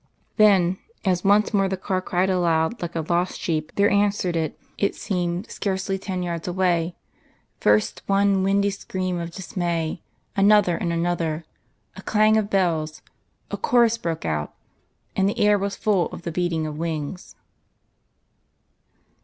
Then, as once more the car cried aloud like a lost sheep, there answered it, it seemed scarcely ten yards away, first one windy scream of dismay, another and another; a clang of bells, a chorus broke out; and the air was full of the beating of wings.